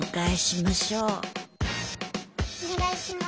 お願いします。